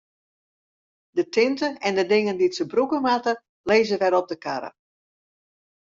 De tinte en de dingen dy't se brûke moatte, lizze wer op de karre.